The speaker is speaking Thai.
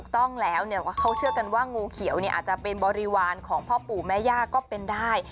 ต้องแล้วเขาเชื่อกันว่างูเขียวอาจจะเป็นบริวารของพ่อปู่แม่ย่าก็เป็นได้